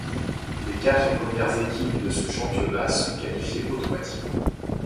Les quatre premières équipes de ce championnat sont qualifiées automatiquement.